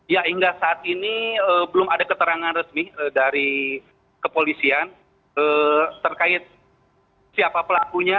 ya hingga saat ini belum ada keterangan resmi dari kepolisian terkait siapa pelakunya